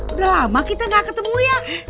udah lama kita gak ketemu ya